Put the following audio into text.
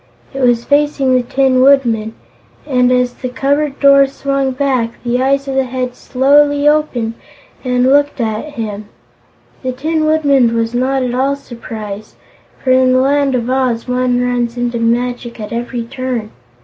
It was facing the Tin Woodman and as the cupboard door swung back, the eyes of the Head slowly opened and looked at him. The Tin Woodman was not at all surprised, for in the Land of Oz one runs into magic at every turn.